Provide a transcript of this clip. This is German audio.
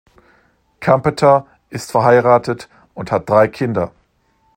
Kampeter ist verheiratet und hat drei Kinder.